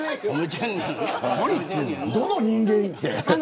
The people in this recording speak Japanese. どの人間って。